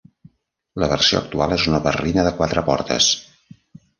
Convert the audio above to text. La versió actual és una berlina de quatre portes.